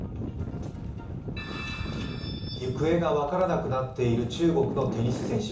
行方が分からなくなっている中国のテニス選手。